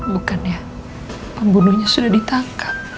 bukannya pembunuhnya sudah ditangkap